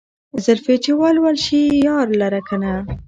زلفې چې ول ول شي يار لره کنه